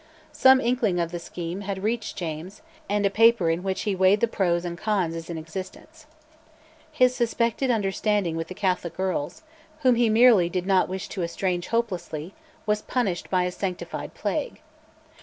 Some inkling of the scheme had reached James, and a paper in which he weighed the pros and cons is in existence. His suspected understanding with the Catholic earls, whom he merely did not wish to estrange hopelessly, was punished by a sanctified plague.